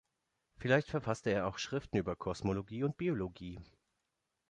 Vielleicht verfasste er auch Schriften über Kosmologie und Biologie.